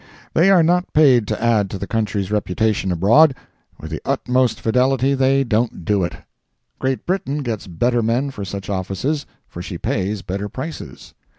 They are not paid to add to the country's reputation abroad; with the utmost fidelity they don't do it. Great Britain gets better men for such offices, for she pays better prices.